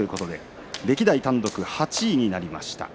歴代単独８位になりました。